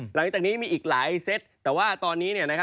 หลังจากนี้มีอีกหลายเซตแต่ว่าตอนนี้เนี่ยนะครับ